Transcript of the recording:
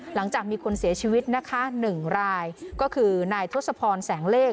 หลังจากมีคนเสียชีวิตนะคะ๑รายก็คือนายทศพรแสงเลข